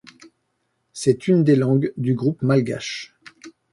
C'est une des langues du groupe malgache.